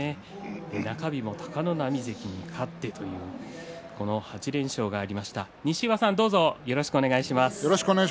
中日も貴ノ浪関に勝ってという８連勝がありました。